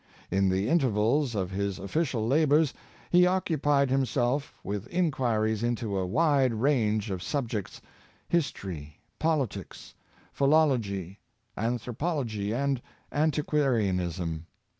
In the intervals of his official labors he occupied himself with inquiries into a wide range of subjects — history, politics, philology, anthropology, and antiquarianism.